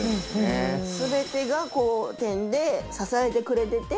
全てがこう点で支えてくれてて。